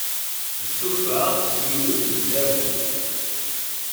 Tessuffeɣ yiwet n tdabut.